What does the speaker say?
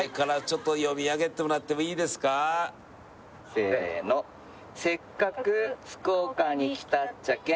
せーの「せっかく福岡に来たっちゃけん」